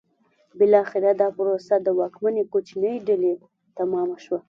بالاخره دا پروسه د واکمنې کوچنۍ ډلې تمامه شوه.